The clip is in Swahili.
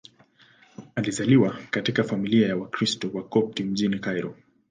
Alizaliwa katika familia ya Wakristo Wakopti mjini Kairo.